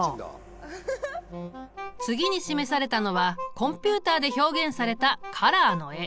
次に示されたのはコンピュータで表現されたカラーの絵。